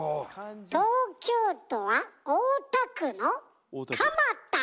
東京都は大田区の「かまた」。